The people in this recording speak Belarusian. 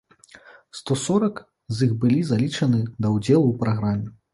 Сто сорак з іх былі залічаны да ўдзелу ў праграме.